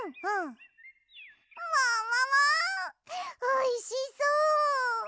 おいしそう！